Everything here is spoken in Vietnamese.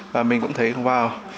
và mình cũng thấy wow